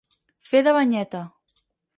Fer de banyeta.